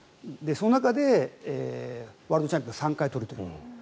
その中でワールドチャンピオン３回取ると。